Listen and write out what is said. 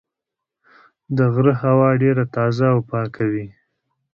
د غره هوا ډېره تازه او پاکه وي.